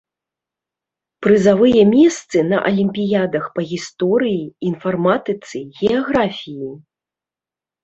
Прызавыя месцы на алімпіядах па гісторыі, інфарматыцы, геаграфіі!